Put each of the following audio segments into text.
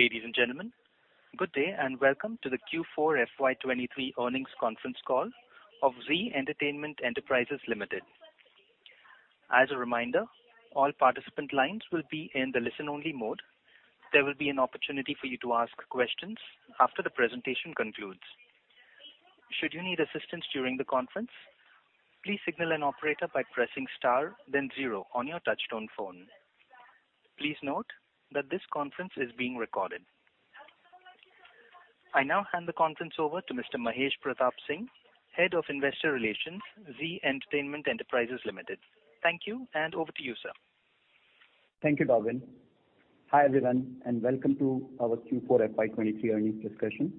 Ladies and gentlemen, good day, and welcome to the Q4 FY 2023 earnings conference call of Zee Entertainment Enterprises Limited. As a reminder, all participant lines will be in the listen-only mode. There will be an opportunity for you to ask questions after the presentation concludes. Should you need assistance during the conference, please signal an operator by pressing star, then zero on your touchtone phone. Please note that this conference is being recorded. I now hand the conference over to Mr. Mahesh Pratap Singh, Head of Investor Relations, Zee Entertainment Enterprises Limited. Thank you, and over to you, sir. Thank you, Darwin. Hi, everyone, and welcome to our Q4 FY 2023 earnings discussion.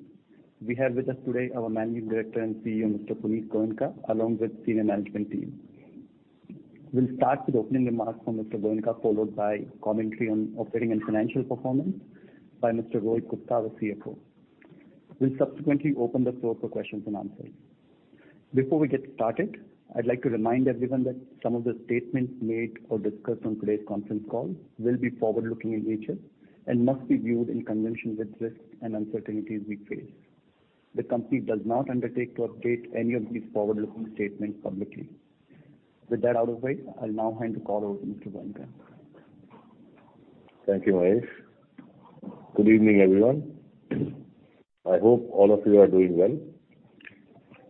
We have with us today our Managing Director and CEO, Mr. Punit Goenka, along with senior management team. We'll start with opening remarks from Mr. Goenka, followed by commentary on operating and financial performance by Mr. Rohit Gupta, our CFO. We'll subsequently open the floor for questions and answers. Before we get started, I'd like to remind everyone that some of the statements made or discussed on today's conference call will be forward-looking in nature and must be viewed in conjunction with risks and uncertainties we face. The company does not undertake to update any of these forward-looking statements publicly. With that out of the way, I'll now hand the call over to Mr. Goenka. Thank you, Mahesh. Good evening, everyone. I hope all of you are doing well.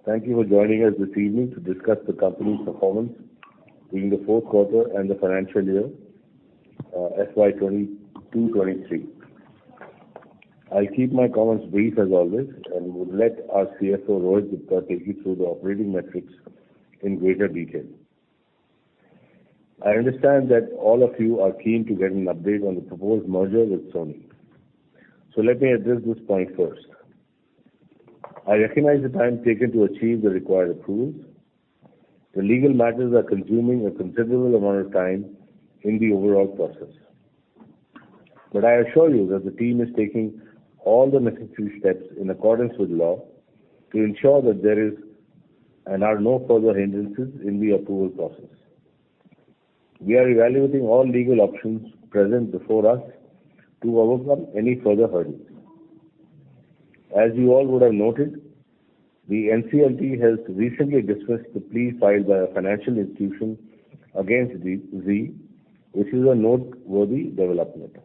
Thank you for joining us this evening to discuss the company's performance during the fourth quarter and the financial year, FY 2022, FY 2023. I'll keep my comments brief as always, and would let our CFO, Mr. Rohit Gupta, take you through the operating metrics in greater detail. I understand that all of you are keen to get an update on the proposed merger with Sony, so let me address this point first. I recognize the time taken to achieve the required approvals. The legal matters are consuming a considerable amount of time in the overall process. I assure you that the team is taking all the necessary steps in accordance with the law, to ensure that there is and are no further hindrances in the approval process. We are evaluating all legal options present before us to overcome any further hurdles. As you all would have noted, the NCLT has recently dismissed the plea filed by a financial institution against Zee, which is a noteworthy development.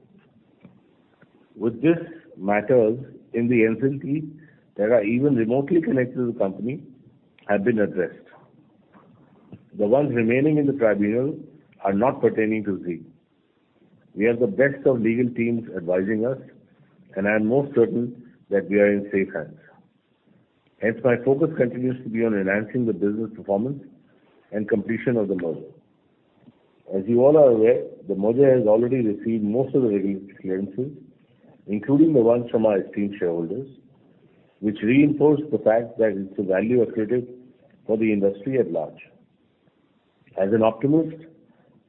With this, matters in the NCLT that are even remotely connected to the company have been addressed. The ones remaining in the tribunal are not pertaining to Zee. We have the best of legal teams advising us, and I am most certain that we are in safe hands. My focus continues to be on enhancing the business performance and completion of the merger. As you all are aware, the merger has already received most of the regulatory clearances, including the ones from our esteemed shareholders, which reinforce the fact that it's a value accretive for the industry at large. As an optimist,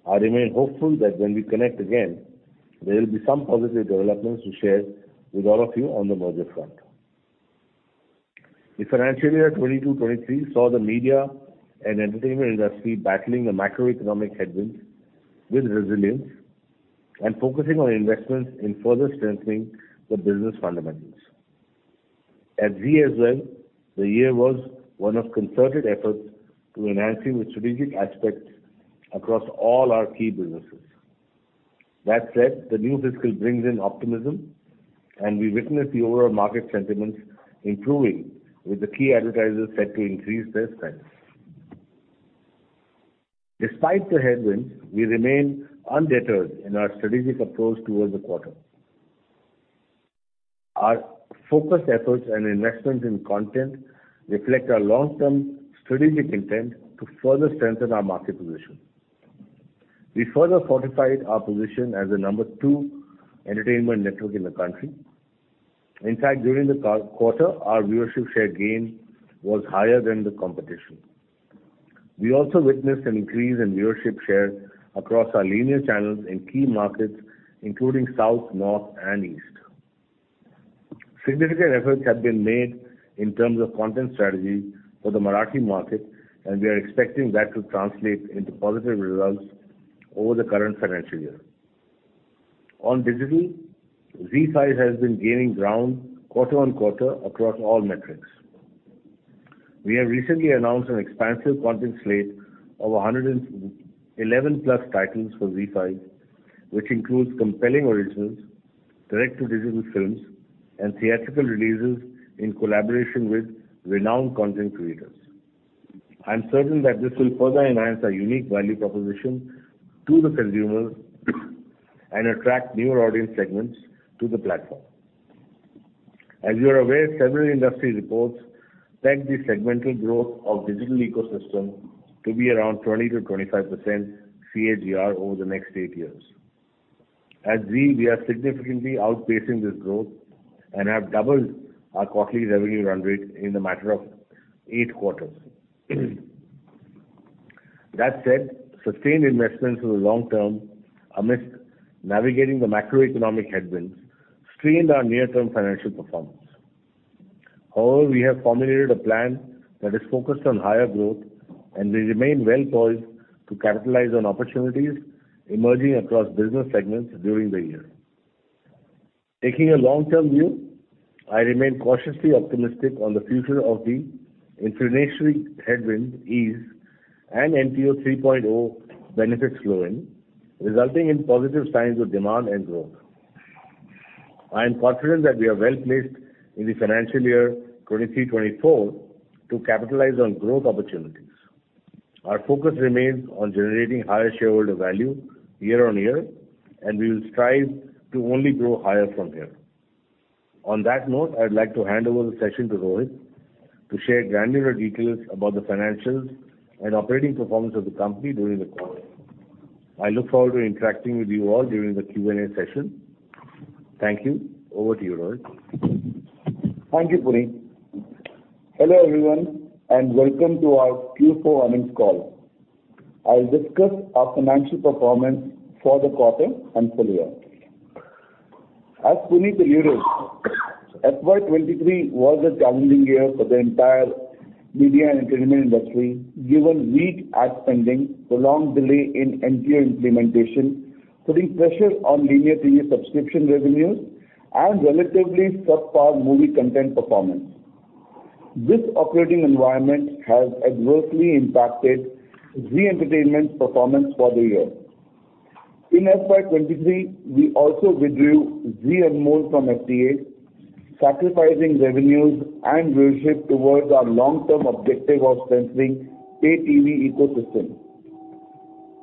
I remain hopeful that when we connect again, there will be some positive developments to share with all of you on the merger front. The financial year 2022, 2023 saw the media and entertainment industry battling the macroeconomic headwinds with resilience and focusing on investments in further strengthening the business fundamentals. At Zee as well, the year was one of concerted efforts to enhancing the strategic aspects across all our key businesses. That said, the new fiscal brings in optimism, and we witness the overall market sentiments improving with the key advertisers set to increase their spends. Despite the headwinds, we remain undeterred in our strategic approach towards the quarter. Our focused efforts and investments in content reflect our long-term strategic intent to further strengthen our market position. We further fortified our position as the number two entertainment network in the country. In fact, during the quarter, our viewership share gain was higher than the competition. We also witnessed an increase in viewership share across our linear channels in key markets, including South, North, and East. Significant efforts have been made in terms of content strategy for the Marathi market. We are expecting that to translate into positive results over the current financial year. On digital, ZEE5 has been gaining ground quarter on quarter across all metrics. We have recently announced an expansive content slate of 111+ titles for ZEE5, which includes compelling originals, direct to digital films, and theatrical releases in collaboration with renowned content creators. I am certain that this will further enhance our unique value proposition to the consumers and attract newer audience segments to the platform. As you are aware, several industry reports peg the segmental growth of digital ecosystem to be around 20%-25% CAGR over the next eight years. At Zee, we are significantly outpacing this growth and have doubled our quarterly revenue run rate in a matter of eight quarters. That said, sustained investments in the long term amidst navigating the macroeconomic headwinds strained our near-term financial performance. We have formulated a plan that is focused on higher growth, and we remain well-poised to capitalize on opportunities emerging across business segments during the year. Taking a long-term view, I remain cautiously optimistic on the future of the inflationary headwind ease and NTO 3.0 benefits flowing, resulting in positive signs of demand and growth. I am confident that we are well-placed in the financial year 2023, 2024 to capitalize on growth opportunities. Our focus remains on generating higher shareholder value year-on-year, and we will strive to only grow higher from here. On that note, I'd like to hand over the session to Rohit, to share granular details about the financials and operating performance of the company during the quarter. I look forward to interacting with you all during the Q&A session. Thank you. Over to you, Rohit. Thank you, Punit. Hello, everyone, and welcome to our Q4 earnings call. I'll discuss our financial performance for the quarter and full year. As Punit alluded, FY 2023 was a challenging year for the entire media and entertainment industry, given weak ad spending, prolonged delay in NTO implementation, putting pressure on linear TV subscription revenues, and relatively subpar movie content performance. This operating environment has adversely impacted Zee Entertainment's performance for the year. In FY 2023, we also withdrew Zee Anmol from FTA, sacrificing revenues and viewership towards our long-term objective of strengthening pay TV ecosystem.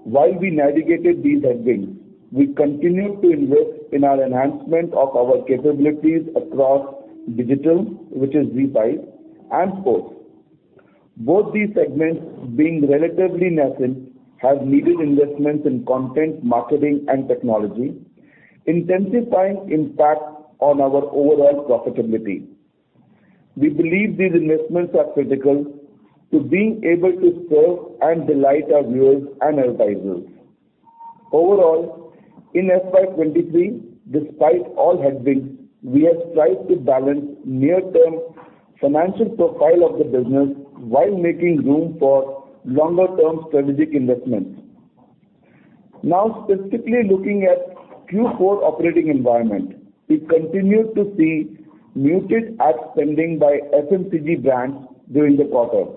While we navigated these headwinds, we continued to invest in our enhancement of our capabilities across digital, which is ZEE5, and sports. Both these segments, being relatively nascent, have needed investments in content, marketing, and technology, intensifying impact on our overall profitability. We believe these investments are critical to being able to serve and delight our viewers and advertisers. Overall, in FY 2023, despite all headwinds, we have strived to balance near-term financial profile of the business while making room for longer-term strategic investments. Specifically looking at Q4 operating environment, we continued to see muted ad spending by FMCG brands during the quarter.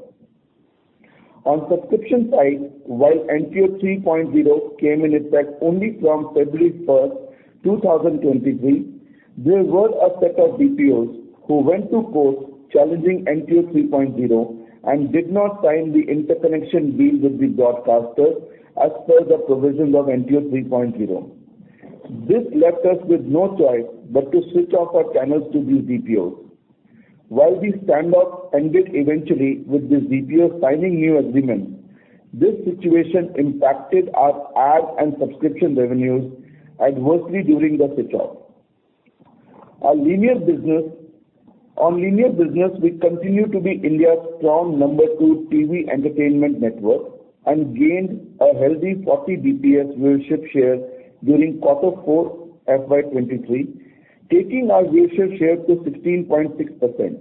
On subscription side, while NTO 3.0 came in effect only from February 1st, 2023, there were a set of DPOs who went to court challenging NTO 3.0, did not sign the interconnection deal with the broadcasters as per the provisions of NTO 3.0. This left us with no choice but to switch off our channels to these DPOs. While the standoff ended eventually with the DPOs signing new agreements, this situation impacted our ad and subscription revenues adversely during the switch off. On linear business, we continue to be India's strong number two TV entertainment network, and gained a healthy 40 BPS viewership share during Q4, FY 2023, taking our viewership share to 16.6%.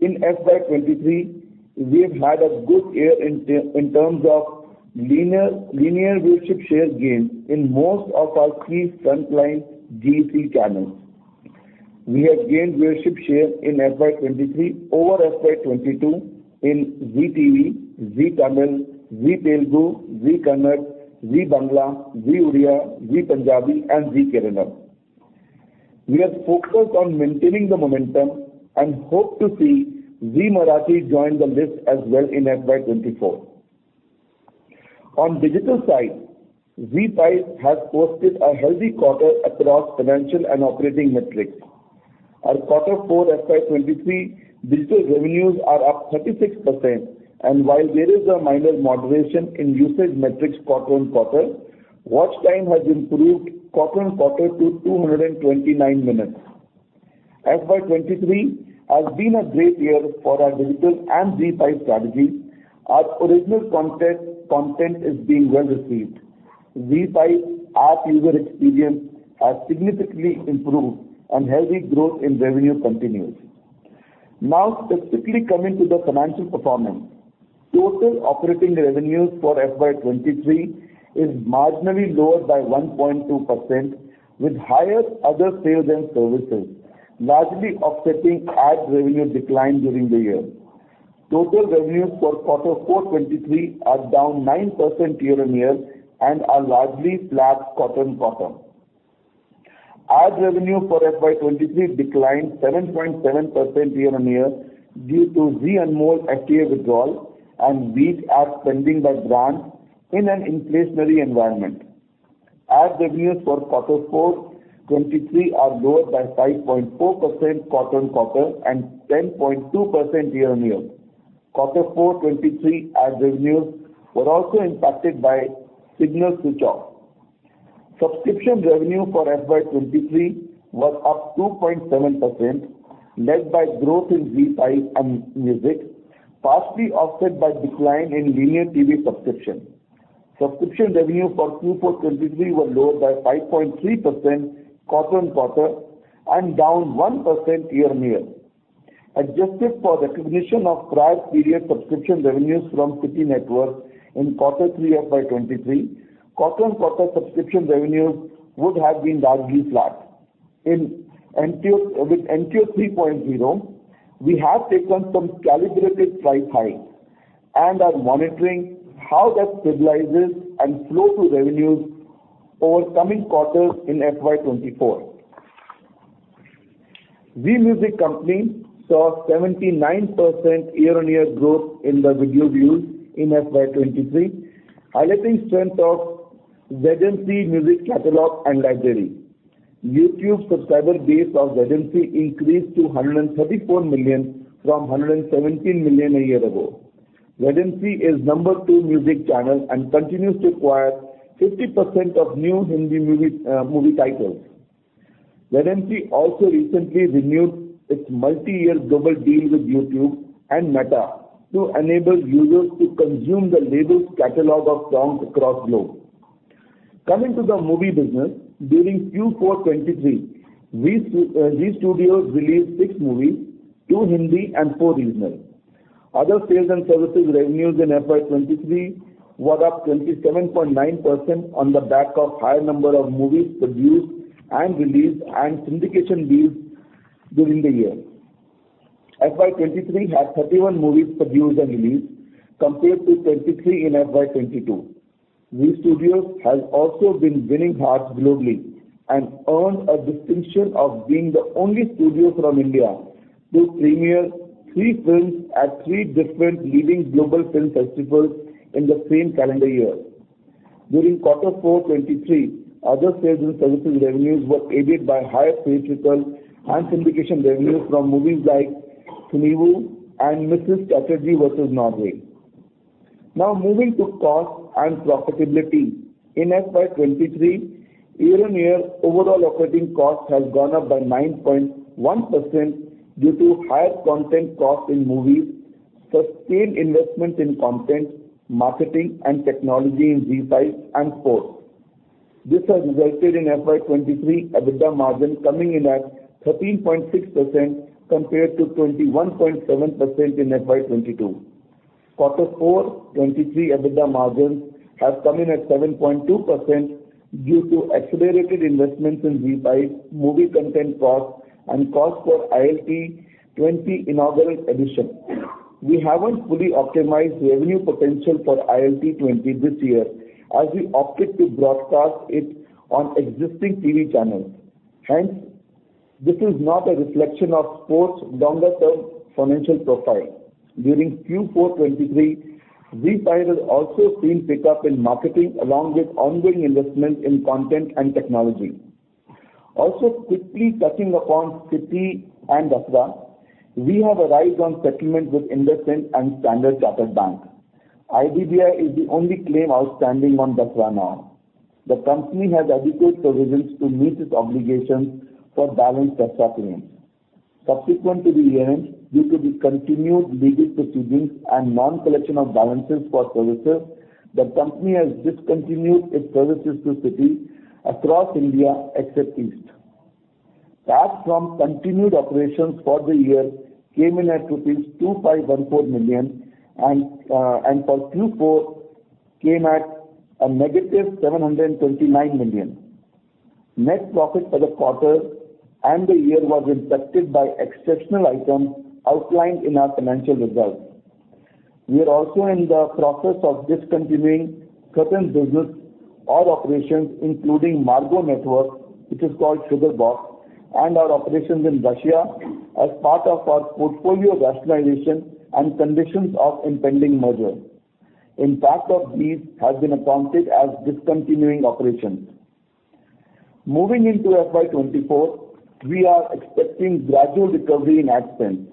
In FY 2023, we've had a good year in terms of linear viewership share gain in most of our three frontline Zee channels. We have gained viewership share in FY 2023 over FY 2022 in Zee TV, Zee Cinema, Zee Telugu, Zee Kannada, Zee Bangla, Zee Odisha, Zee Punjabi, and Zee Keralam. We are focused on maintaining the momentum, and hope to see Zee Marathi join the list as well in FY 2024. On digital side, ZEE5 has posted a healthy quarter across financial and operating metrics. Our quarter four, FY 2023 digital revenues are up 36%, and while there is a minor moderation in usage metrics quarter-on-quarter, watch time has improved quarter-on-quarter to 229 minutes. FY 2023 has been a great year for our digital and ZEE5 strategy. Our original content is being well-received. ZEE5 app user experience has significantly improved, and healthy growth in revenue continues. Now, specifically coming to the financial performance, total operating revenues for FY 2023 is marginally lower by 1.2%, with higher other sales and services, largely offsetting ad revenue decline during the year. Total revenues for quarter four, 23 are down 9% year-on-year, and are largely flat quarter-on-quarter. Ad revenue for FY 2023 declined 7.7% year-on-year due to Zee Anmol FTA withdrawal and weak ad spending by brands in an inflationary environment. Ad revenues for Q4 2023 are lower by 5.4% quarter-on-quarter, and 10.2% year-on-year. Q4 2023 ad revenues were also impacted by signal switch off. Subscription revenue for FY 2023 was up 2.7%, led by growth in ZEE5 and music, partially offset by decline in linear TV subscription. Subscription revenue for Q4 2023 were lower by 5.3% quarter-on-quarter, and down 1% year-on-year. Adjusted for recognition of prior period subscription revenues from Siti Networks in Q3 FY 2023, quarter-on-quarter subscription revenues would have been largely flat. In NTO 3.0, we have taken some calibrated price hikes and are monitoring how that stabilizes and flow to revenues over coming quarters in FY 2024. Zee Music Company saw 79% year-on-year growth in the video views in FY 2023, highlighting strength of ZEE Music catalog and library. YouTube subscriber base of ZEE increased to 134 million from 117 million a year ago. ZEE is number two music channel and continues to acquire 50% of new Hindi movie titles. ZEE also recently renewed its multi-year global deal with YouTube and Meta to enable users to consume the label's catalog of songs across globe. Coming to the movie business, during Q4 2023, Zee Studios released six movies, two Hindi and four regional. Other sales and services revenues in FY 2023 were up 27.9% on the back of higher number of movies produced and released, and syndication deals during the year. FY 2023 had 31 movies produced and released, compared to 23 in FY 2022. Zee Studios has also been winning hearts globally, and earned a distinction of being the only studio from India to premiere three films at three different leading global film festivals in the same calendar year. During quarter four 2023, other sales and services revenues were aided by higher theatrical and syndication revenues from movies like Thunivu and Mrs. Chatterjee vs Norway. Moving to cost and profitability. In FY 2023, year-on-year overall operating costs have gone up by 9.1% due to higher content costs in movies, sustained investment in content, marketing, and technology in ZEE5 and sports. This has resulted in FY 2023 EBITDA margin coming in at 13.6%, compared to 21.7% in FY 2022. Q4 2023 EBITDA margins have come in at 7.2% due to accelerated investments in ZEE5, movie content costs, and costs for IL T20 Inaugural Edition. We haven't fully optimized revenue potential for IL T20 this year, as we opted to broadcast it on existing TV channels. This is not a reflection of sport's longer-term financial profile. During Q4 2023, ZEE5 has also seen pickup in marketing, along with ongoing investment in content and technology. Quickly touching upon Siti and Dasra. We have arrived on settlement with IndusInd and Standard Chartered Bank. IBBI is the only claim outstanding on Dasra now. The company has adequate provisions to meet its obligations for balance Dasra claims. Subsequent to the event, due to the continued legal proceedings and non-collection of balances for services, the company has discontinued its services to Siti across India, except East. Tax from continued operations for the year came in at rupees 2,514 million, and for Q4, came at a negative 729 million. Net profit for the quarter and the year was impacted by exceptional items outlined in our financial results. We are also in the process of discontinuing certain business or operations, including Margo Networks, which is called SugarBox, and our operations in Russia, as part of our portfolio rationalization and conditions of impending merger. Impact of these has been accounted as discontinuing operations. Moving into FY 2024, we are expecting gradual recovery in ad spend.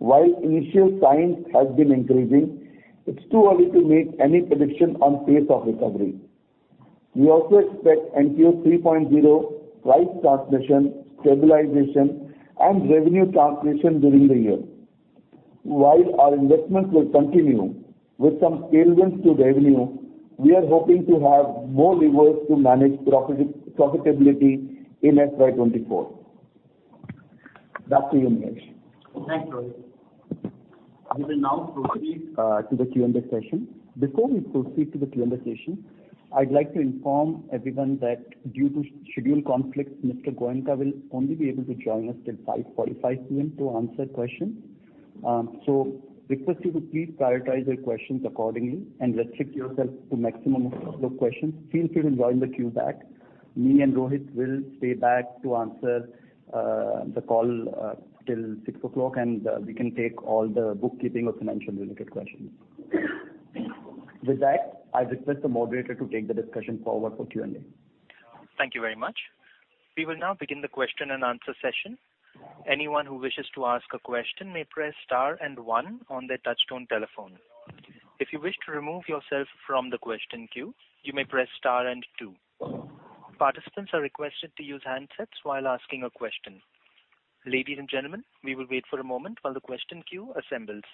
Initial signs have been encouraging, it's too early to make any prediction on pace of recovery. We also expect NTO 3.0 price transmission, stabilization, and revenue transmission during the year. While our investments will continue, with some tailwinds to revenue, we are hoping to have more levers to manage profitability in FY 2024. Back to you, Mahesh. Thanks, Rohit. We will now proceed to the Q&A session. Before we proceed to the Q&A session, I'd like to inform everyone that due to schedule conflicts, Mr. Goenka will only be able to join us till 5:45 P.M. to answer questions. Request you to please prioritize your questions accordingly, and restrict yourself to maximum of two questions. Feel free to join the queue back. Me and Rohit will stay back to answer the call till 6:00 P.M., and we can take all the bookkeeping or financial related questions. With that, I request the moderator to take the discussion forward for Q&A. Thank you very much. We will now begin the question-and-answer session. Anyone who wishes to ask a question may press star and one on their touchtone telephone. If you wish to remove yourself from the question queue, you may press star and two. Participants are requested to use handsets while asking a question. Ladies and gentlemen, we will wait for a moment while the question queue assembles.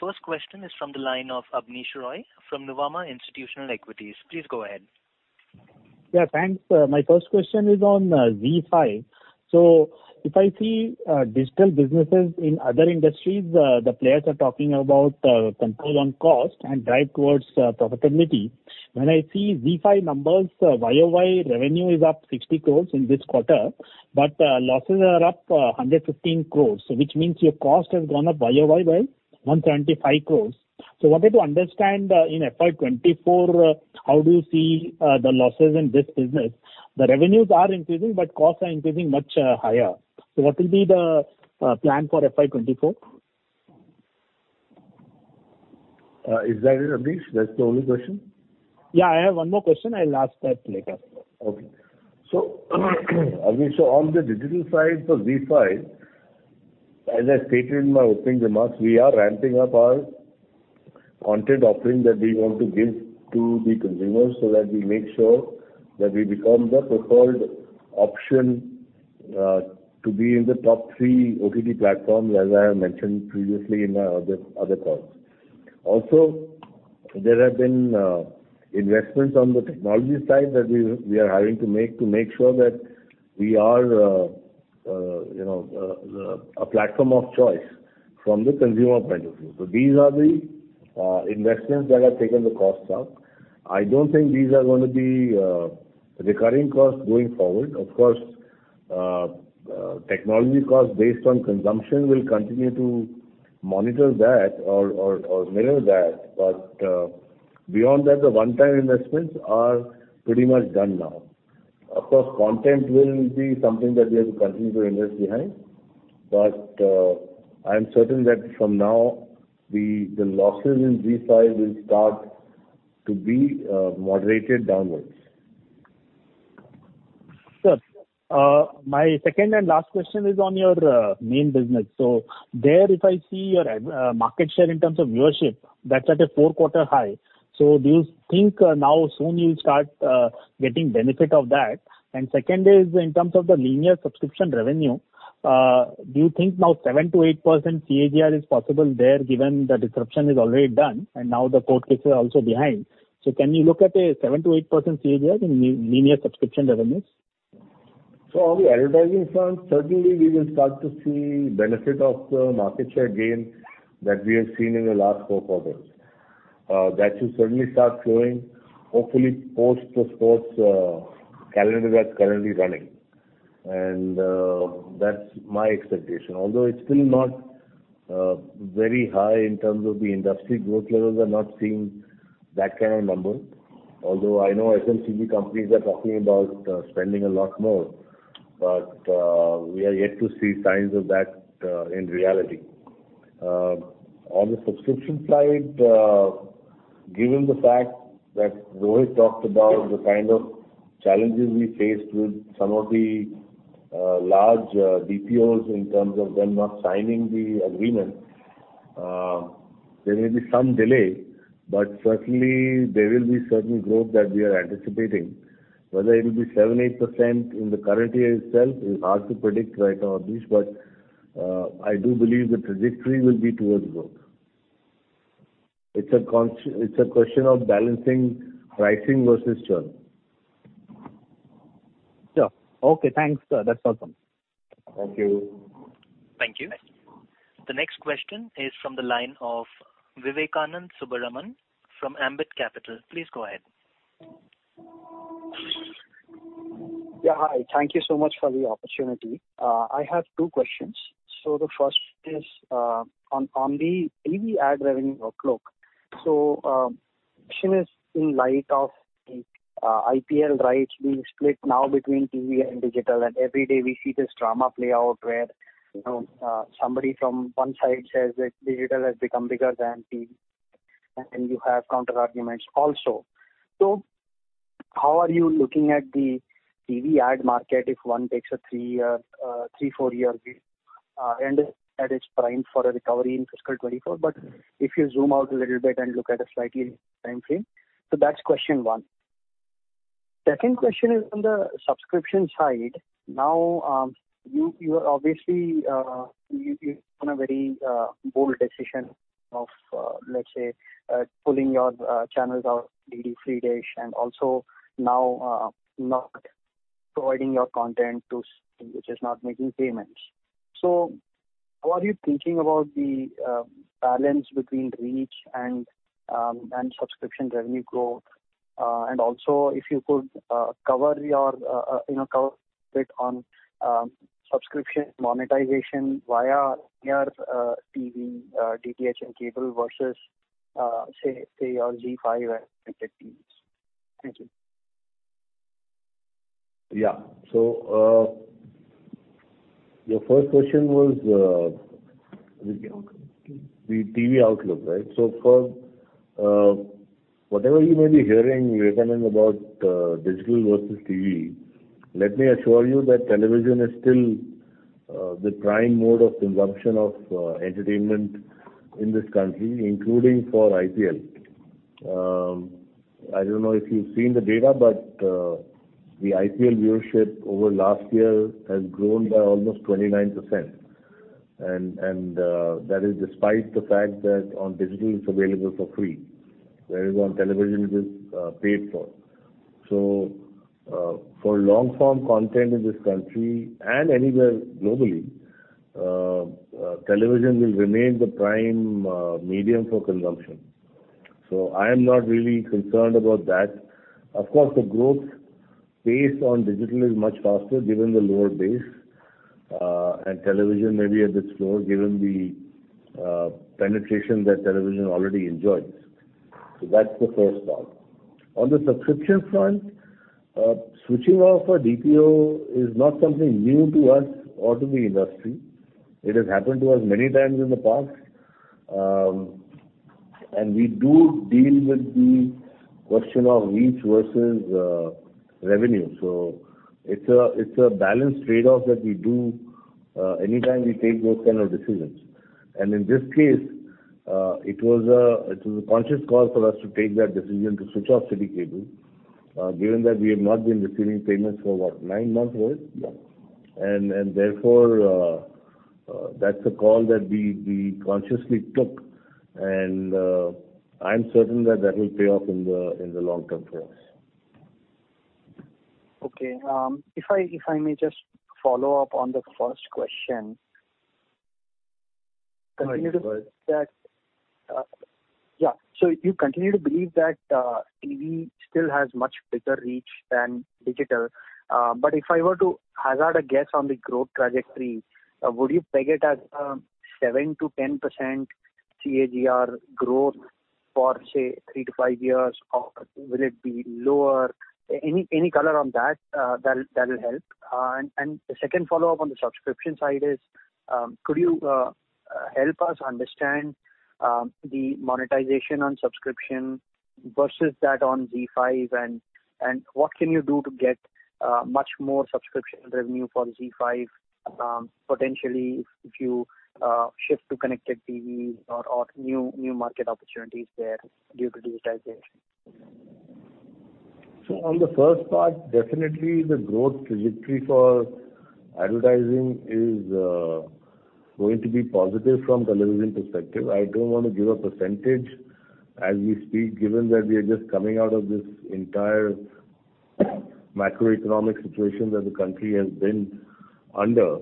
The first question is from the line of Abneesh Roy from Nuvama Institutional Equities. Please go ahead. Thanks. My first question is on Zee5. If I see digital businesses in other industries, the players are talking about control on cost and drive towards profitability. When I see Zee5 numbers, YoY revenue is up 60 crores in this quarter, but losses are up 115 crores, which means your cost has gone up YoY by 125 crores. I wanted to understand, in FY 2024, how do you see the losses in this business? The revenues are increasing, but costs are increasing much higher. What will be the plan for FY 2024? Is that it, Abneesh? That's the only question? Yeah, I have one more question. I'll ask that later. Abneesh, on the digital side, for ZEE5, as I stated in my opening remarks, we are ramping up our content offering that we want to give to the consumers, so that we make sure that we become the preferred option, to be in the top three OTT platforms, as I have mentioned previously in our other calls. There have been investments on the technology side that we are having to make, to make sure that we are, you know, a platform of choice from the consumer point of view. These are the investments that have taken the costs up. I don't think these are going to be recurring costs going forward. Of course, technology costs based on consumption will continue to monitor that or mirror that. Beyond that, the one-time investments are pretty much done now. Of course, content will be something that we have to continue to invest behind. I am certain that from now, the losses in ZEE5 will start to be moderated downwards. Sir, my second and last question is on your main business. There, if I see your market share in terms of viewership, that's at a four-quarter high. Do you think now soon you'll start getting benefit of that? Second is in terms of the linear subscription revenue, do you think now 7%-8% CAGR is possible there, given the disruption is already done and now the court case is also behind? Can you look at a 7%-8% CAGR in linear subscription revenues? On the advertising front, certainly we will start to see benefit of the market share gain that we have seen in the last four quarters. That should certainly start flowing, hopefully post the sports calendar that's currently running. That's my expectation. It's still not very high in terms of the industry growth levels are not seeing that kind of number. I know FMCG companies are talking about spending a lot more, we are yet to see signs of that in reality. On the subscription side, given the fact that Rohit talked about the kind of challenges we faced with some of the large DPOs in terms of them not signing the agreement, there may be some delay, certainly there will be certain growth that we are anticipating. Whether it will be 7%, 8% in the current year itself is hard to predict right now, Abneesh, but I do believe the trajectory will be towards growth. It's a question of balancing pricing versus churn. Sure. Okay, thanks, sir. That's all from me. Thank you. Thank you. The next question is from the line of Vivekananda Subbaraman from Ambit Capital. Please go ahead. Yeah, hi. Thank you so much for the opportunity. I have two questions. The first is on the TV ad revenue outlook. Question is in light of the IPL rights being split now between TV and digital, and every day we see this drama play out, where, you know, somebody from one side says that digital has become bigger than TV, and then you have counterarguments also. How are you looking at the TV ad market if one takes a three-year, three, four-year view, and that is prime for a recovery in fiscal 2024? If you zoom out a little bit and look at a slightly time frame. That's question one. Second question is on the subscription side. Now, you are obviously, you've taken a very bold decision of, let's say, pulling your channels out of DD Free Dish and also now, not providing your content to which is not making payments. How are you thinking about the balance between reach and subscription revenue growth, and also if you could, you know, cover a bit on subscription monetization via your TV, DTH and cable versus, say, your ZEE5 and other TVs? Thank you. Yeah. Your first question was. The TV outlook. The TV outlook, right? First, whatever you may be hearing, Vivekananda, about digital versus TV, let me assure you that television is still the prime mode of consumption of entertainment in this country, including for IPL. I don't know if you've seen the data, but the IPL viewership over last year has grown by almost 29%. That is despite the fact that on digital, it's available for free, whereas on television, it is paid for. For long-form content in this country and anywhere globally, television will remain the prime medium for consumption. I am not really concerned about that. Of course, the growth pace on digital is much faster given the lower base, and television may be a bit slower given the penetration that television already enjoys. That's the first part. On the subscription front, switching off a DPO is not something new to us or to the industry. It has happened to us many times in the past. We do deal with the question of reach versus revenue. It's a balanced trade-off that we do anytime we take those kind of decisions. In this case, it was a conscious call for us to take that decision to switch off SITI Cable, given that we have not been receiving payments for what, nine months now? Yes. Therefore, that's a call that we consciously took, and, I'm certain that will pay off in the long term for us. Okay. if I may just follow up on the first question. Right, go ahead. Continue to that. Yeah. You continue to believe that TV still has much bigger reach than digital. But if I were to hazard a guess on the growth trajectory, would you peg it as 7%-10% CAGR growth for, say, three to five years, or will it be lower? Any color on that that will help? And the second follow-up on the subscription side is, could you help us understand the monetization on subscription versus that on ZEE5? And what can you do to get much more subscription revenue for ZEE5, potentially if you shift to connected TV or new market opportunities there due to digitization? On the first part, definitely the growth trajectory for advertising is going to be positive from television perspective. I don't want to give a percentage as we speak, given that we are just coming out of this entire macroeconomic situation that the country has been under.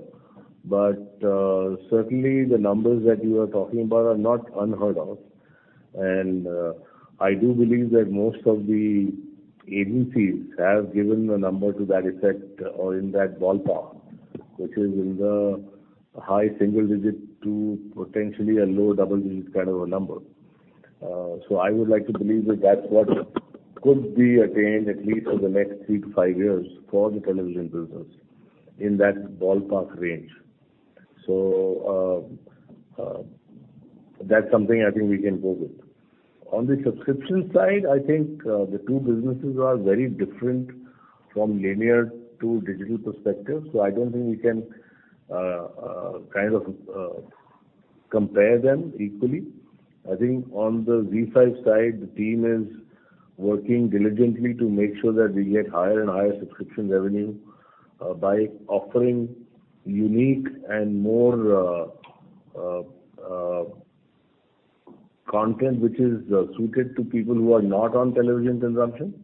Certainly, the numbers that you are talking about are not unheard of, and I do believe that most of the agencies have given a number to that effect or in that ballpark, which is in the high single digit to potentially a low double digit kind of a number. I would like to believe that that's what could be attained at least for the next three to five years for the television business in that ballpark range. That's something I think we can go with. On the subscription side, I think the two businesses are very different from linear to digital perspective, so I don't think we can kind of compare them equally. I think on the ZEE5 side, the team is working diligently to make sure that we get higher and higher subscription revenue by offering unique and more content, which is suited to people who are not on television consumption,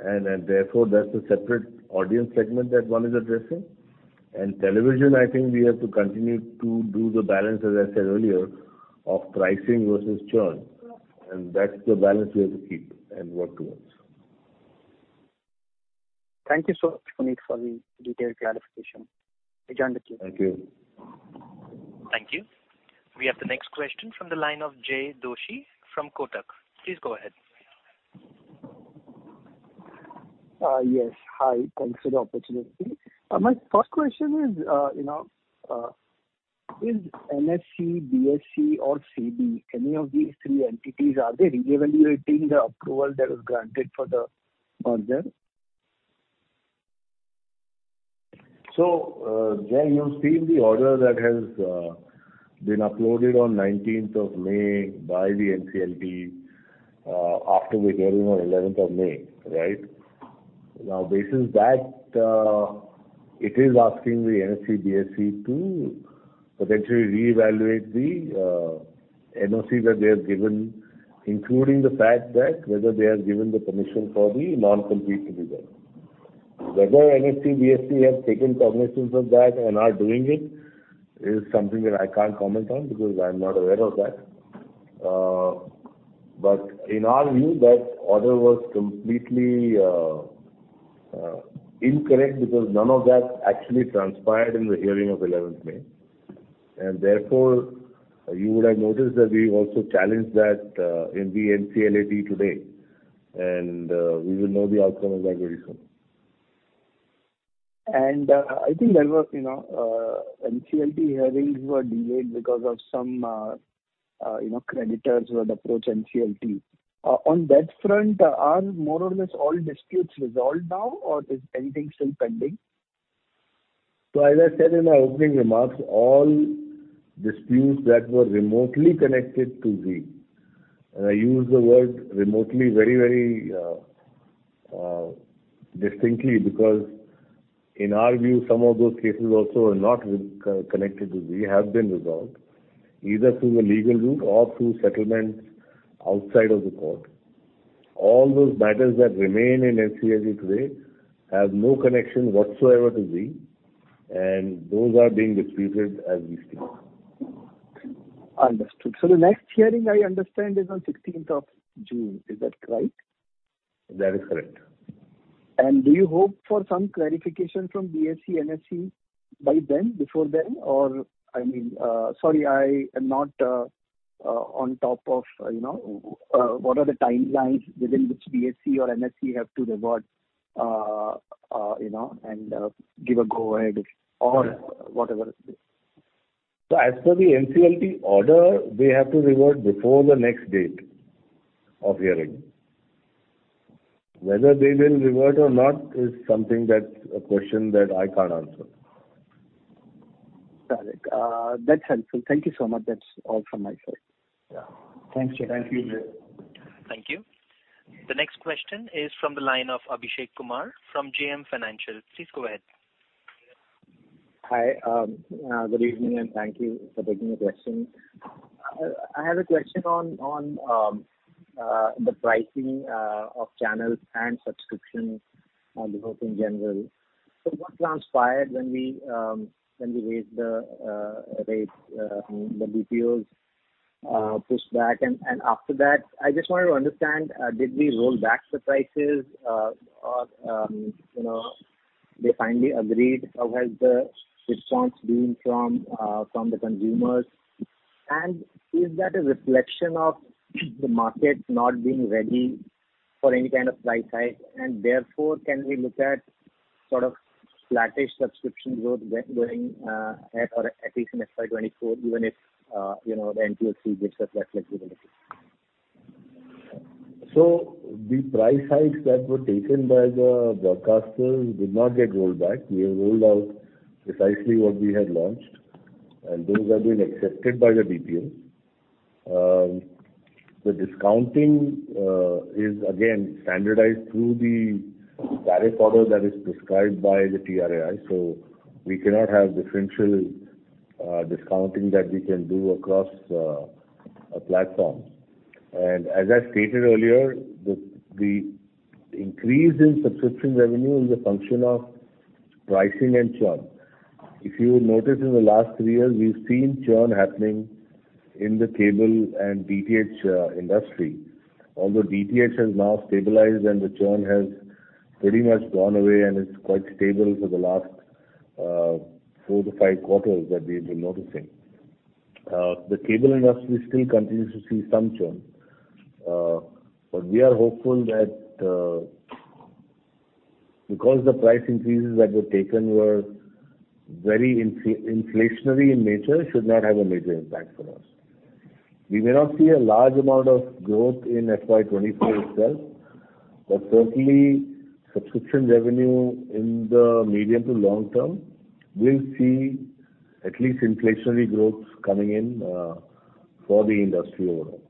and therefore, that's a separate audience segment that one is addressing. Television, I think we have to continue to do the balance, as I said earlier, of pricing versus churn, and that's the balance we have to keep and work towards. Thank you so much, Punit, for the detailed clarification. I join the queue. Thank you. Thank you. We have the next question from the line of Jay Doshi from Kotak. Please go ahead. Yes. Hi, thanks for the opportunity. My first question is, you know, is NCLT, BCCC or SEBI, any of these three entities, are they reevaluating the approval that was granted for the merger? Jay, you've seen the order that has been uploaded on 19th of May by the NCLT after the hearing on 11th of May, right? Based on that, it is asking the NCLT, BCCC to potentially reevaluate the NOC that they have given, including the fact that whether they have given the permission for the non-compete to be there. Whether NCLT, BCCC have taken cognizance of that and are doing it, is something that I can't comment on because I'm not aware of that. But in our view, that order was completely incorrect, because none of that actually transpired in the hearing of 11th May. Therefore, you would have noticed that we also challenged that in the NCLAT today, and we will know the outcome of that very soon. I think there was, you know, NCLT hearings were delayed because of some, you know, creditors would approach NCLT. On that front, are more or less all disputes resolved now, or is anything still pending? As I said in my opening remarks, all disputes that were remotely connected to Zee, and I use the word remotely very, very distinctly, because in our view, some of those cases also are not connected to Zee, have been resolved either through the legal route or through settlements outside of the court. All those matters that remain in NCLT today have no connection whatsoever to Zee, and those are being disputed as we speak. Understood. The next hearing, I understand, is on sixteenth of June. Is that correct? That is correct. Do you hope for some clarification from BCCC, NCLT by then, before then? I mean, Sorry, I am not on top of, you know, what are the timelines within which BCCC or NCLT have to revert, you know, and give a go-ahead or whatever it is. As per the NCLT order, they have to revert before the next date of hearing. Whether they will revert or not is something that's a question that I can't answer. Got it. That's helpful. Thank you so much. That's all from my side. Yeah. Thanks. Thank you, Jay. Thank you. The next question is from the line of Abhishek Kumar from JM Financial. Please go ahead. Hi, good evening, and thank you for taking the question. I have a question on the pricing of channels and subscription growth in general. What transpired when we raised the rate, the DPOs pushed back? After that, I just wanted to understand, did we roll back the prices or, you know, they finally agreed? How has the response been from the consumers? Is that a reflection of the market not being ready for any kind of price hike, and therefore, can we look at sort of flattish subscription growth going at or at least in FY 2024, even if, you know, the NCLT gives us that flexibility? The price hikes that were taken by the broadcasters did not get rolled back. We have rolled out precisely what we had launched, and those are being accepted by the DPO. The discounting is again standardized through the tariff order that is prescribed by the TRAI, we cannot have differential discounting that we can do across a platform. As I stated earlier, the increase in subscription revenue is a function of pricing and churn. If you notice, in the last three years, we've seen churn happening in the cable and DTH industry, although DTH has now stabilized and the churn has pretty much gone away and is quite stable for the last four to five quarters that we've been noticing. The cable industry still continues to see some churn, but we are hopeful that, because the price increases that were taken were very inflationary in nature, should not have a major impact for us. We may not see a large amount of growth in FY 2024 itself, but certainly subscription revenue in the medium to long term, we'll see at least inflationary growth coming in for the industry overall.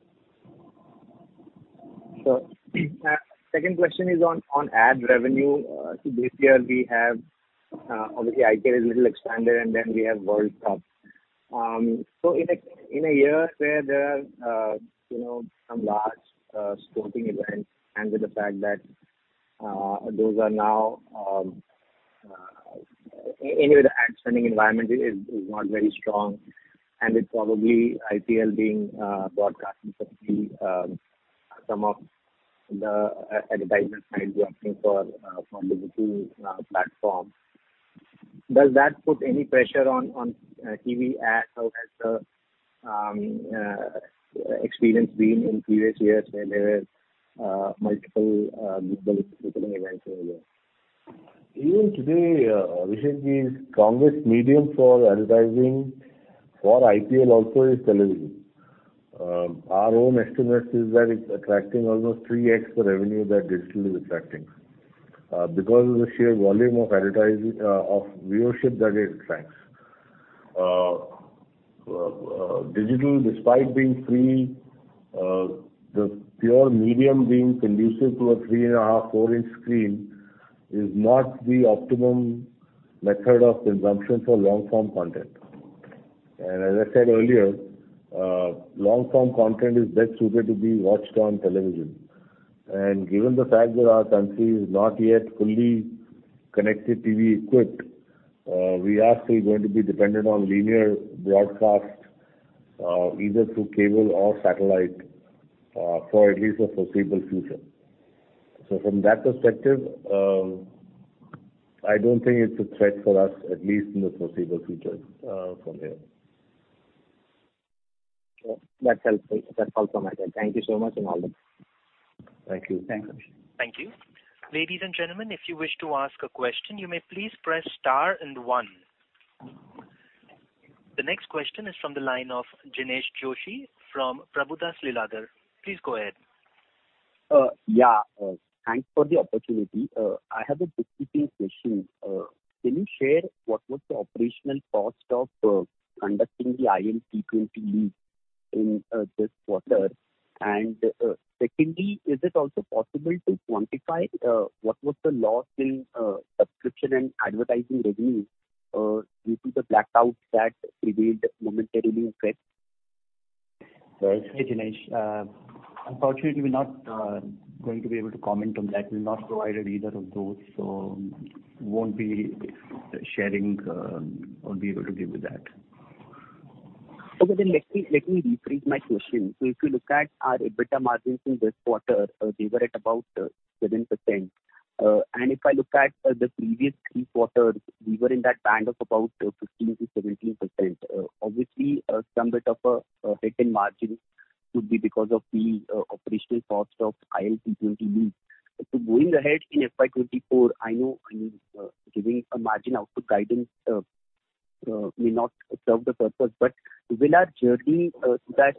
Second question is on ad revenue. This year we have, obviously, IPL is little expanded, and then we have World Cup. In a year where there are, you know, some large sporting events, and with the fact that those are now. Anyway, the ad spending environment is not very strong, and it's probably IPL being broadcast, certainly, some of the advertisement might be asking for from the digital platform. Does that put any pressure on TV ad? How has the experience been in previous years, where there were multiple global sporting events earlier? Even today, Abhishek, the strongest medium for advertising for IPL also is television. Our own estimate is that it's attracting almost 3x the revenue that digital is attracting because of the sheer volume of advertising of viewership that it attracts. Digital, despite being free, the pure medium being conducive to a 3.5 in, 4 in screen, is not the optimum method of consumption for long-form content. As I said earlier, long-form content is best suited to be watched on television. Given the fact that our country is not yet fully connected TV equipped, we are still going to be dependent on linear broadcast, either through cable or satellite, for at least the foreseeable future. From that perspective, I don't think it's a threat for us, at least in the foreseeable future, from here. Sure. That's helpful. That's all from my side. Thank you so much and all the best. Thank you. Thanks. Thank you. Ladies and gentlemen, if you wish to ask a question, you may please press star and one. The next question is from the line of Jinesh Joshi from Prabhudas Lilladher. Please go ahead. Yeah, thanks for the opportunity. I have a two-part question. Can you share what was the operational cost of conducting the IL T20 league in this quarter? Secondly, is it also possible to quantify what was the loss in subscription and advertising revenue due to the blackouts that prevailed momentarily in March? Hey, Jinesh. Unfortunately, we're not going to be able to comment on that. We've not provided either of those, so won't be sharing or be able to give you that. Let me rephrase my question. If you look at our EBITDA margins in this quarter, they were at about 7%. And if I look at the previous three quarters, we were in that band of about 15%-17%. Obviously, some bit of a hit in margins could be because of the operational cost of IL T20 league. Going ahead in FY 2024, I know, I mean, giving a margin output guidance may not serve the purpose, but will our journey, that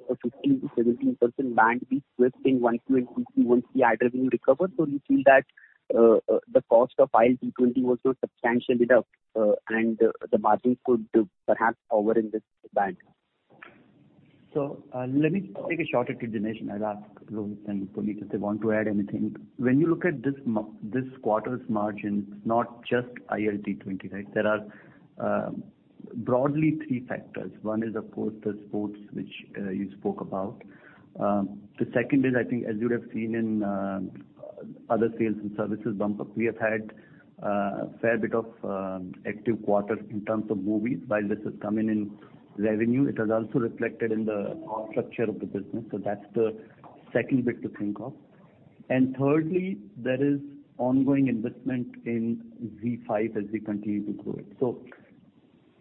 15%-17% band be swift in one to 18 months, the ad revenue recovered, so you feel that the cost of IL T20 was so substantially up, and the margins could perhaps hover in this band? Let me take a shot at it, Jinesh. I'll ask Rohit and Punit if they want to add anything. When you look at this quarter's margins, not just IL T20, right? There are broadly three factors. One is, of course, the sports, which you spoke about. The second is, I think, as you would have seen in other sales and services bump up, we have had a fair bit of active quarter in terms of movies. While this is coming in revenue, it is also reflected in the cost structure of the business. That's the second bit to think of. Thirdly, there is ongoing investment in ZEE5 as we continue to grow it.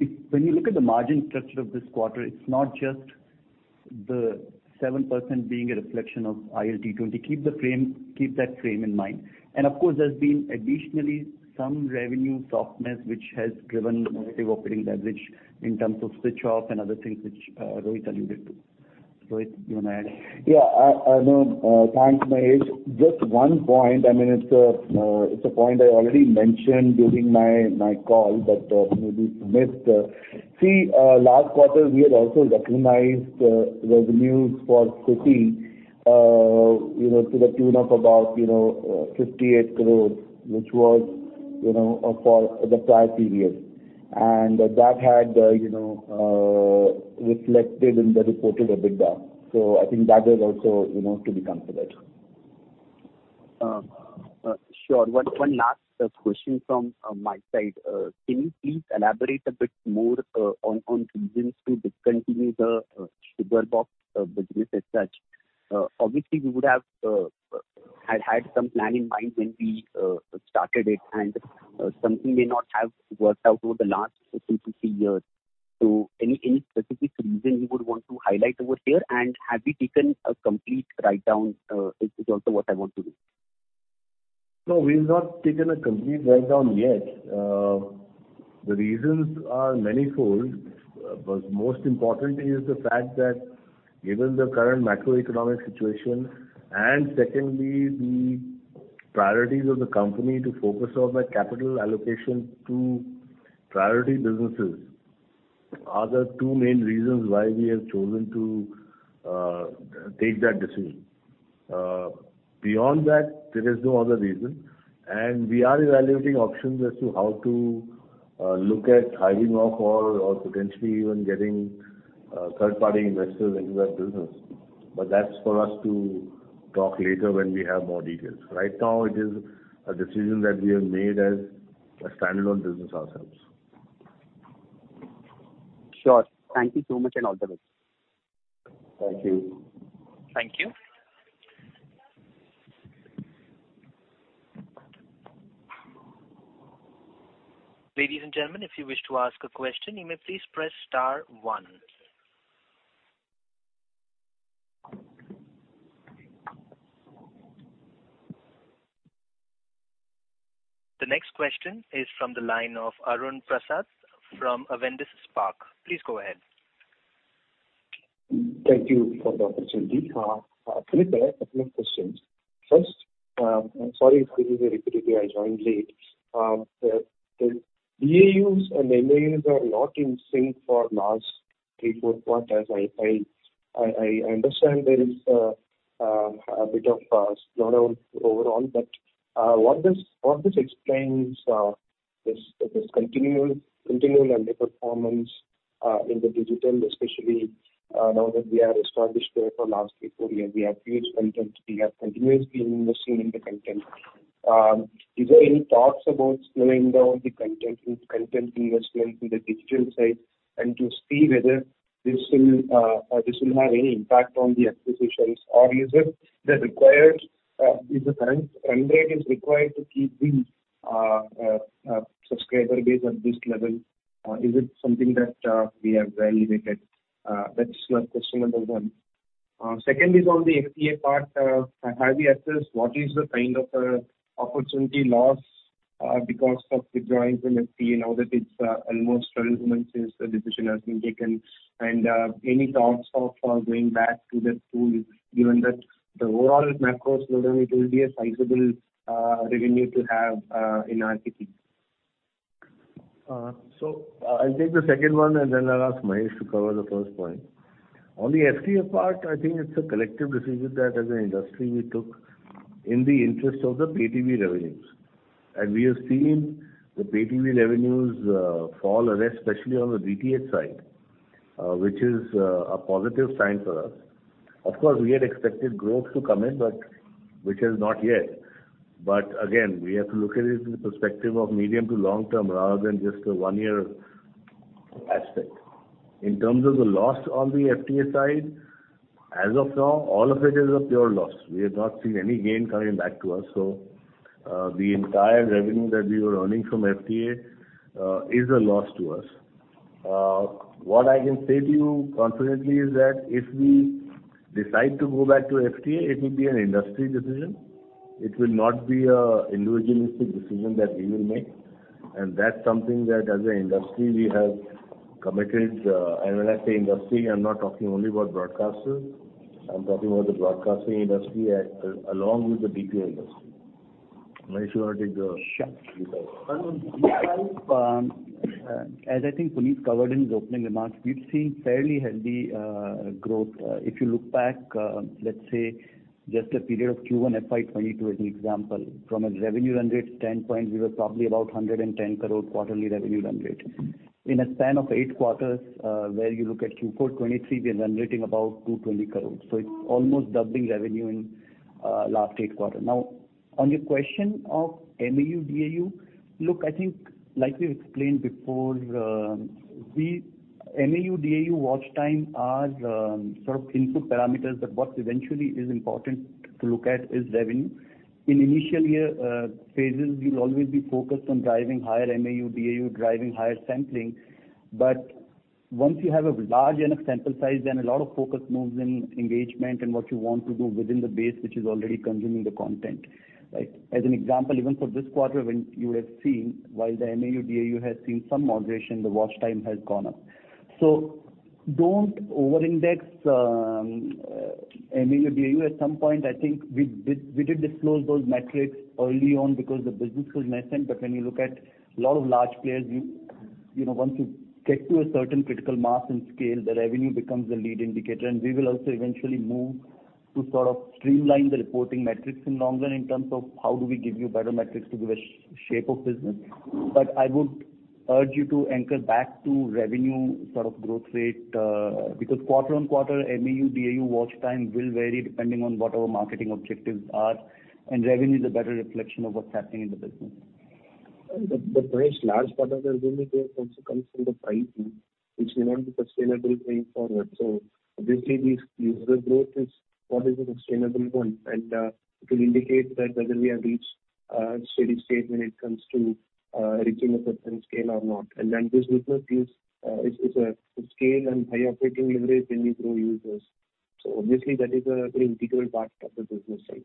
If when you look at the margin structure of this quarter, it's not just the 7% being a reflection of IL T20. Keep the frame, keep that frame in mind. Of course, there's been additionally some revenue softness, which has driven negative operating leverage in terms of switch off and other things which, Rohit alluded to. Rohit, you want to add? Yeah, I, no, thanks, Mahesh. Just one point, I mean, it's a, it's a point I already mentioned during my call, but, maybe missed. See, last quarter, we had also recognized, revenues for SITI, you know, to the tune of about, you know, 58 crores, which was, you know, for the prior period. That had, you know, reflected in the reported EBITDA. I think that is also, you know, to be considered. Sure. One last question from my side. Can you please elaborate a bit more on reasons to discontinue the Sugarbox business as such? Obviously, we would have had some plan in mind when we started it, and something may not have worked out over the last two to three years. Any specific reason you would want to highlight over here? And have you taken a complete write-down is also what I want to do. No, we've not taken a complete write down yet. The reasons are manifold. Most importantly is the fact that given the current macroeconomic situation, secondly, the priorities of the company to focus on the capital allocation to priority businesses, are the two main reasons why we have chosen to take that decision. Beyond that, there is no other reason. We are evaluating options as to how to look at hiving off or potentially even getting third-party investors into that business. That's for us to talk later when we have more details. Right now, it is a decision that we have made as a standalone business ourselves. Sure. Thank you so much, and all the best. Thank you. Thank you. Ladies and gentlemen, if you wish to ask a question, you may please press star one. The next question is from the line of Arun Prasad from Avendus Spark. Please go ahead. Thank you for the opportunity. I have a couple of questions. First, sorry if this is a repeat here, I joined late. The DAUs and MAUs are not in sync for last three, four quarters. I understand there is a bit of a slowdown overall, but what this explains is this continual underperformance in the digital, especially, now that we are established there for the last three, four years. We have huge content. We have continuously been investing in the content. Is there any thoughts about slowing down the content investment in the digital side, and to see whether this will have any impact on the acquisitions? Is the current spend rate is required to keep the subscriber base at this level? Is it something that we have evaluated? That's my question number one. Second is on the FTA part. Have you assessed what is the kind of opportunity loss because of withdrawing from FTA now that it's almost 12 months since the decision has been taken? Any thoughts of going back to the tool, given that the overall macro slowdown, it will be a sizable revenue to have in RTP? I'll take the second one. I'll ask Mahesh to cover the first point. On the FTA part, I think it's a collective decision that as an industry, we took in the interest of the PTV revenues. We have seen the PTV revenues fall, especially on the DTH side, which is a positive sign for us. Of course, we had expected growth to come in, but which has not yet. We have to look at it in the perspective of medium to long term rather than just a one-year aspect. In terms of the loss on the FTA side, as of now, all of it is a pure loss. We have not seen any gain coming back to us. The entire revenue that we were earning from FTA is a loss to us. What I can say to you confidently is that if we decide to go back to FTA, it will be an industry decision. It will not be a individualistic decision that we will make, and that's something that as an industry, we have committed. And when I say industry, I'm not talking only about broadcasters. I'm talking about the broadcasting industry along with the DTH industry. Mahesh, you want to take a shot? As I think Punit Goenka covered in his opening remarks, we've seen fairly healthy growth. If you look back, let's say, just a period of Q1 FY 2022, as an example, from a revenue run rate standpoint, we were probably about 110 crore quarterly revenue run rate. In a span of eight quarters, where you look at Q4 2023, we are generating about 220 crores. It's almost doubling revenue in last eight quarters. On your question of MAU, DAU: Look, I think like we've explained before, MAU, DAU, watch time are sort of input parameters, but what eventually is important to look at is revenue. In initial year phases, we'll always be focused on driving higher MAU, DAU, driving higher sampling. Once you have a large enough sample size, a lot of focus moves in engagement and what you want to do within the base, which is already consuming the content, right? Even for this quarter, when you would have seen, while the MAU, DAU has seen some moderation, the watch time has gone up. Don't over-index MAU, DAU. At some point, I think we did disclose those metrics early on because the business was nascent. When you look at a lot of large players, you know, once you get to a certain critical mass and scale, the revenue becomes the lead indicator. We will also eventually move to sort of streamline the reporting metrics in longer in terms of how do we give you better metrics to give a shape of business. I would urge you to anchor back to revenue sort of growth rate, because quarter-on-quarter, MAU, DAU, watch time will vary depending on what our marketing objectives are, and revenue is a better reflection of what's happening in the business. The very large part of the revenue there also comes from the pricing, which we want to be sustainable going forward. Obviously, the user growth is probably the sustainable one, and it will indicate that whether we have reached steady state when it comes to reaching a certain scale or not. Then this business is it's a scale and high operating leverage when you grow users. Obviously that is a very integral part of the business side.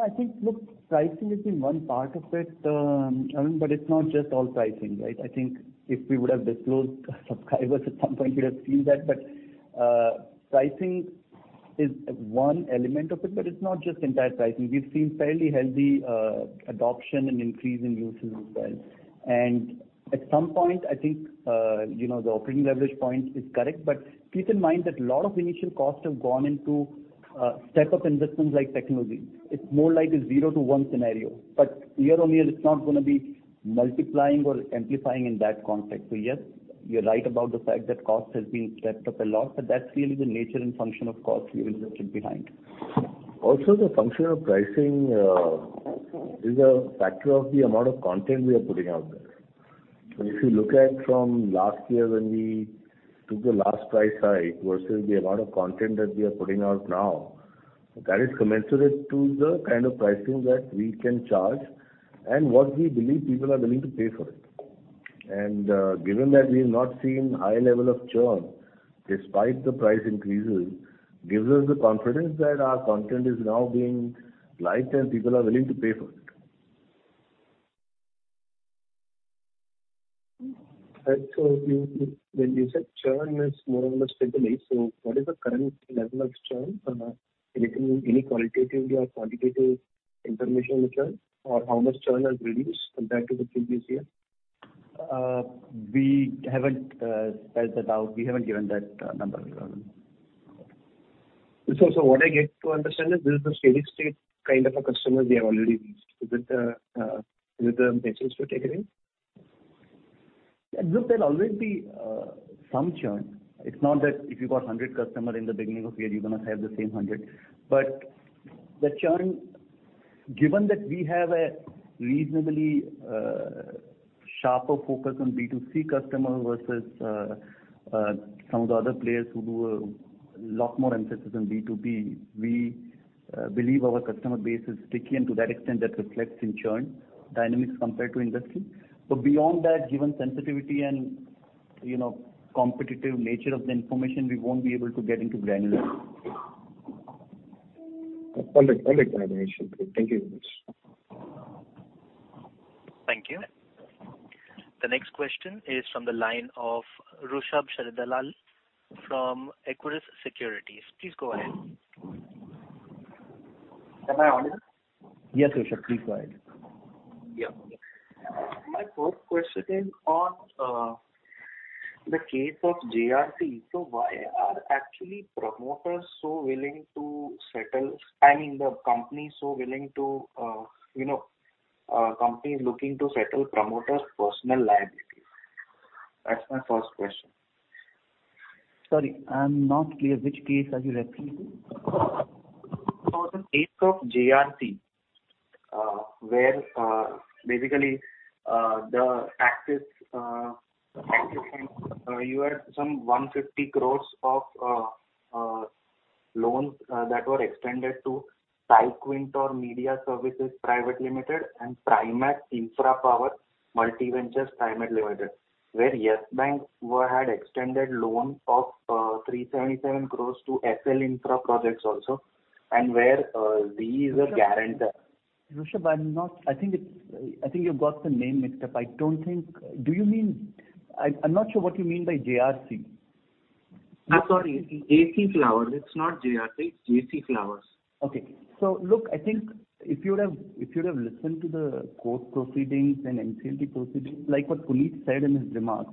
I think, look, pricing has been one part of it, but it's not just all pricing, right? I think if we would have disclosed subscribers at some point, you would have seen that. Pricing is one element of it, but it's not just entire pricing. We've seen fairly healthy adoption and increase in usage as well. At some point, I think, you know, the operating leverage point is correct. Keep in mind that a lot of initial costs have gone into step-up investments like technology. It's more like a zero to one scenario, but year on year, it's not gonna be multiplying or amplifying in that context. Yes, you're right about the fact that cost has been stepped up a lot, but that's really the nature and function of cost we invested behind. Also, the function of pricing is a factor of the amount of content we are putting out there. If you look at from last year when we took the last price hike versus the amount of content that we are putting out now, that is commensurate to the kind of pricing that we can charge and what we believe people are willing to pay for it. Given that we have not seen high level of churn, despite the price increases, gives us the confidence that our content is now being liked and people are willing to pay for it. Right. You, when you said churn is more or less stable, so what is the current level of churn? Anything qualitatively or quantitative information on the churn, or how much churn has reduced compared to the previous year? We haven't spelled that out. We haven't given that number. What I get to understand is this is a steady state kind of a customer we have already reached. Is it, is it the basis to take it in? Look, there'll always be some churn. It's not that if you got 100 customer in the beginning of the year, you're gonna have the same 100. The churn, given that we have a reasonably sharper focus on B2C customer versus some of the other players who do a lot more emphasis on B2B, we believe our customer base is sticky, and to that extent, that reflects in churn dynamics compared to industry. Beyond that, given sensitivity and, you know, competitive nature of the information, we won't be able to get into granular. Correct, correct, Mahesh. Thank you very much. Thank you. The next question is from the line of Rushabh Sharedalal from Equirus Securities. Please go ahead. Am I on? Yes, Rushabh, please go ahead. Yeah. My first question is on the case of JRT. Why are actually promoters so willing to settle? I mean, the company so willing to, you know, company is looking to settle promoters' personal liabilities. That's my first question. Sorry, I'm not clear which case are you referring to? For the case of JRC, where basically, Axis Finance, you had some 150 crores of loans, that were extended to Cyquator Media Services Private Limited and Primat Infrapower & Multiventures Private Limited, where Yes Bank were had extended loans of 377 crores to Essel Infraprojects also, and where Zee is a guarantor. Rushabh, I think you've got the name mixed up. I don't think... Do you mean? I'm not sure what you mean by JRC. I'm sorry, JC Flowers. It's not JRC, it's JC Flowers. Look, I think if you would have, if you would have listened to the court proceedings and NCLT proceedings, like what Punit said in his remarks,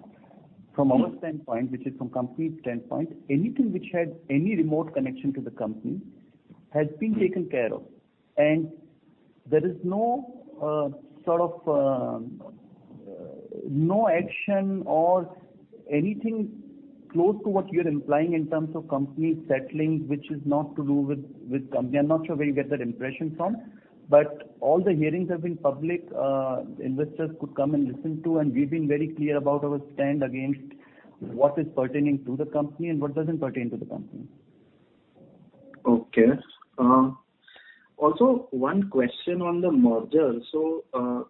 from our standpoint, which is from company's standpoint, anything which had any remote connection to the company has been taken care of. There is no sort of no action or anything close to what you're implying in terms of company settling, which is not to do with company. I'm not sure where you get that impression from, but all the hearings have been public, investors could come and listen to, and we've been very clear about our stand against what is pertaining to the company and what doesn't pertain to the company. Okay. One question on the merger.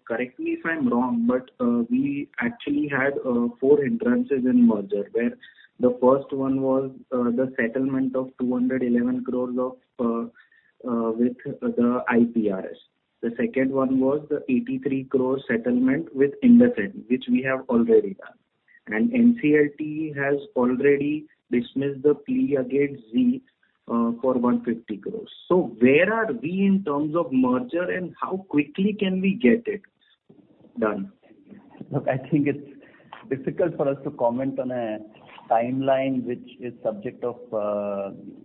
Correct me if I'm wrong, but we actually had four entrances in merger, where the first one was the settlement of 211 crore of with the IPRS. The second one was the 83 crore settlement with IndusInd, which we have already done. NCLT has already dismissed the plea against Zee for 150 crore. Where are we in terms of merger, and how quickly can we get it done? I think it's difficult for us to comment on a timeline which is subject of,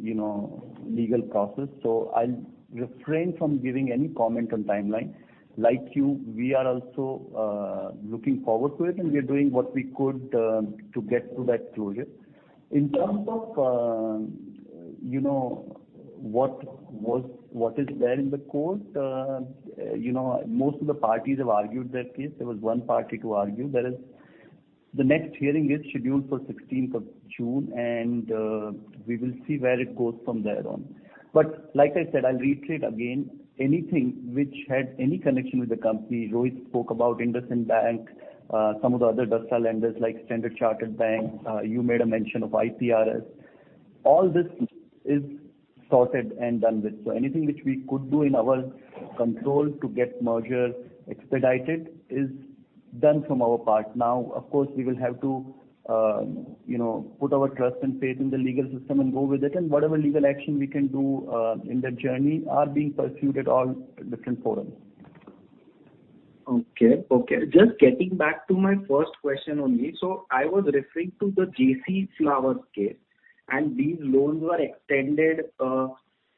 you know, legal process. I'll refrain from giving any comment on timeline. Like you, we are also looking forward to it, and we are doing what we could to get to that closure. In terms of, you know, what was, what is there in the court, you know, most of the parties have argued their case. There was one party to argue. The next hearing is scheduled for 16th of June, and we will see where it goes from there on. Like I said, I'll reiterate again, anything which had any connection with the company, Rohit spoke about IndusInd Bank, some of the other lenders like Standard Chartered Bank, you made a mention of IPRS. All this is sorted and done with. Anything which we could do in our control to get merger expedited is done from our part. Of course, we will have to, you know, put our trust and faith in the legal system and go with it, and whatever legal action we can do, in that journey are being pursued at all different forums. Okay, okay. Just getting back to my first question only. I was referring to the JC Flowers case, and these loans were extended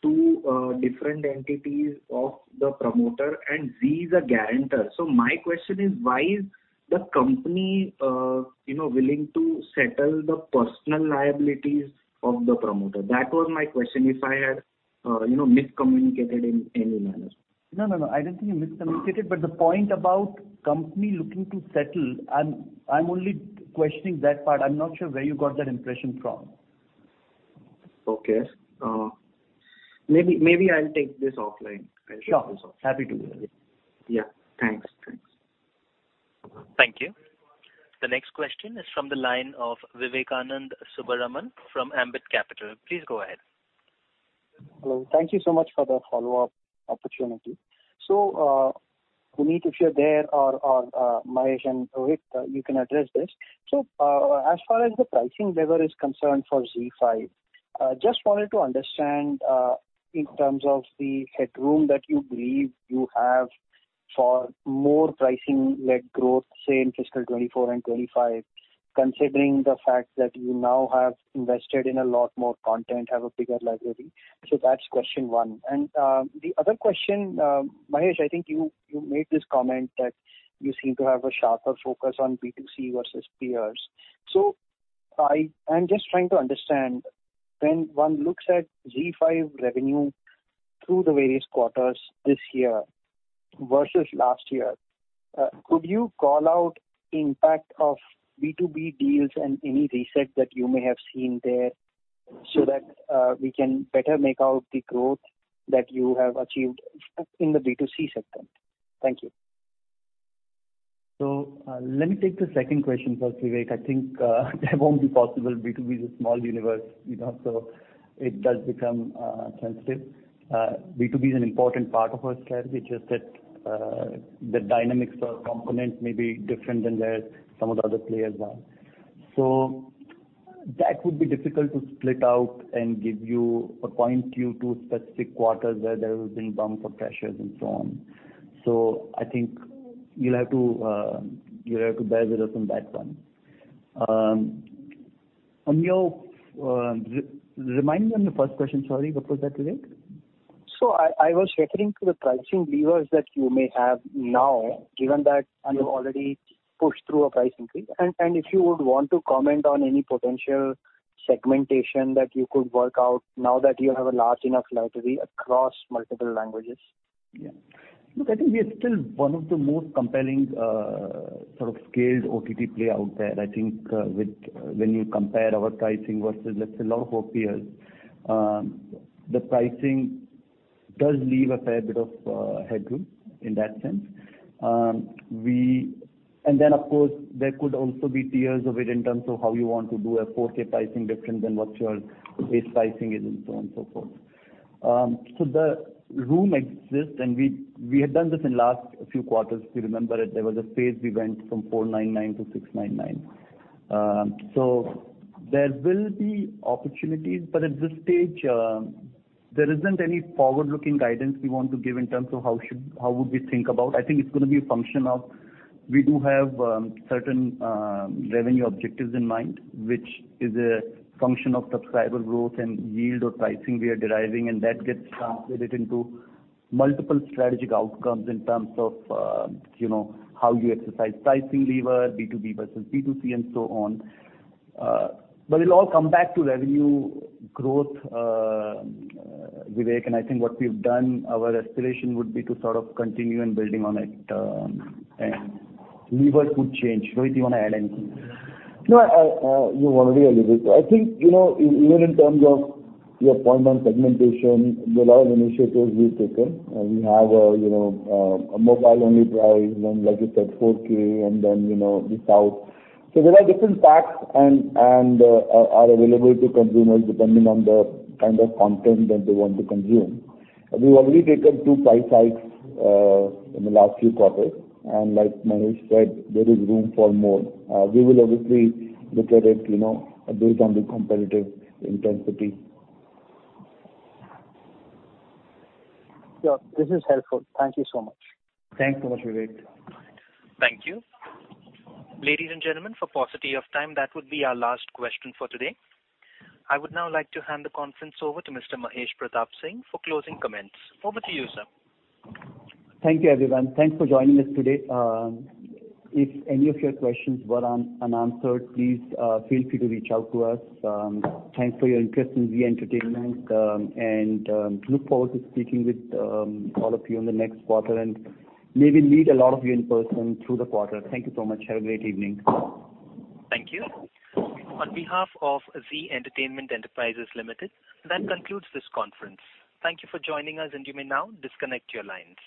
to different entities of the promoter and Zee is a guarantor. My question is, why is the company, you know, willing to settle the personal liabilities of the promoter? That was my question, if I had, you know, miscommunicated in any manner. No, no, I don't think you miscommunicated, the point about company looking to settle, I'm only questioning that part. I'm not sure where you got that impression from. Okay. maybe I'll take this offline. Sure. Happy to. Yeah. Thanks. Thanks. Thank you. The next question is from the line of Vivekanand Subbaraman from Ambit Capital. Please go ahead. Hello. Thank you so much for the follow-up opportunity. Punit, if you're there or Mahesh and Rohit, you can address this. As far as the pricing lever is concerned for ZEE5, just wanted to understand in terms of the headroom that you believe you have for more pricing-led growth, say, in fiscal 2024 and 2025, considering the fact that you now have invested in a lot more content, have a bigger library. That's question one. The other question, Mahesh, I think you made this comment that you seem to have a sharper focus on B2C versus peers. I'm just trying to understand, when one looks at ZEE5 revenue through the various quarters this year versus last year, could you call out impact of B2B deals and any reset that you may have seen there so that we can better make out the growth that you have achieved in the B2C segment? Thank you. Let me take the second question first, Vivek. I think that won't be possible. B2B is a small universe, you know, so it does become sensitive. B2B is an important part of our strategy, it's just that the dynamics or components may be different than their some of the other players are. That would be difficult to split out and give you or point you to specific quarters where there has been bumps or pressures and so on. I think you'll have to bear with us on that one. On your, remind me on the first question, sorry, what was that, Vivek? I was referring to the pricing levers that you may have now, given that you have already pushed through a price increase. If you would want to comment on any potential segmentation that you could work out now that you have a large enough library across multiple languages. Yeah. Look, I think we are still one of the most compelling, sort of scaled OTT player out there. I think, with, when you compare our pricing versus, let's say, a lot of our peers, the pricing does leave a fair bit of, headroom in that sense. Of course, there could also be tiers of it in terms of how you want to do a 4K pricing different than what your base pricing is, and so on and so forth. The room exists, and we had done this in last few quarters. If you remember it, there was a phase we went from 499-699. There will be opportunities, but at this stage, there isn't any forward-looking guidance we want to give in terms of how would we think about. I think it's gonna be a function of we do have certain revenue objectives in mind, which is a function of subscriber growth and yield or pricing we are deriving, and that gets translated into multiple strategic outcomes in terms of, you know, how you exercise pricing lever, B2B versus B2C, and so on. It'll all come back to revenue growth, Vivek, and I think what we've done, our aspiration would be to sort of continue in building on it, and levers could change. Rohit, do you want to add anything? No, I, you already added it. I think, you know, even in terms of your point on segmentation, there are initiatives we've taken. We have a, you know, a mobile-only price, then, like you said, 4K, and then, you know, the South. There are different packs and are available to consumers depending on the kind of content that they want to consume. We've already taken two price hikes in the last few quarters, and like Mahesh said, there is room for more. We will obviously look at it, you know, based on the competitive intensity. Yeah, this is helpful. Thank you so much. Thanks so much, Vivek. Thank you. Ladies and gentlemen, for paucity of time, that would be our last question for today. I would now like to hand the conference over to Mr. Mahesh Pratap Singh for closing comments. Over to you, sir. Thank you, everyone. Thanks for joining us today. If any of your questions were unanswered, please feel free to reach out to us. Thanks for your interest in Zee Entertainment, look forward to speaking with all of you in the next quarter, and maybe meet a lot of you in person through the quarter. Thank you so much. Have a great evening. Thank you. On behalf of Zee Entertainment Enterprises Limited, that concludes this conference. Thank you for joining us, and you may now disconnect your lines.